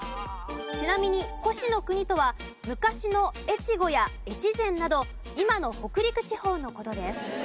ちなみに越の国とは昔の越後や越前など今の北陸地方の事です。